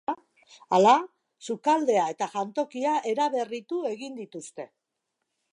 Hala, sukaldea eta jantokia eraberritu egin dituzte.